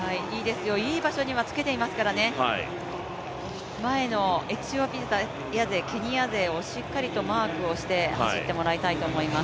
いい場所につけていますからね、前のエチオピア勢、ケニア勢をしっかりとマークして走ってもらいたいと思います。